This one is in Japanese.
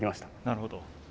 なるほど。